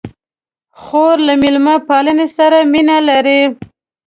خور له میلمه پالنې سره مینه لري.